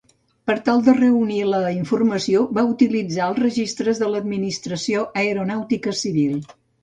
Per tal de reunir la informació va utilitzar els registres de l'Administració Aeronàutica Civil.